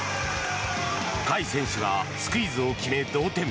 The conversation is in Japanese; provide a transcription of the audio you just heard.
甲斐選手がスクイズを決め同点。